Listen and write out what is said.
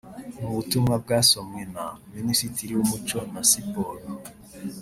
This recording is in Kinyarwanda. Mu butumwa bwasomwe na Minisitiri w’Umuco na Siporo